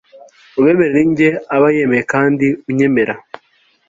ubemera ni jye aba yemeye kandi unyemera